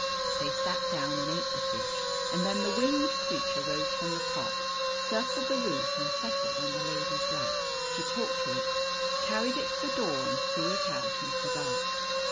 They sat down and ate the fish and then the winged creature rose from the pot, circled the roof, and settled on the lady's lap. She talked to it, carried it to the door, and threw it out into the dark.